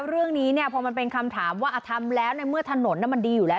เรื่องนี้เนี่ยพอมันเป็นคำถามว่าทำแล้วในเมื่อถนนมันดีอยู่แล้ว